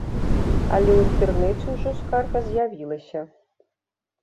Але ў інтэрнэце ўжо скарга з'явілася.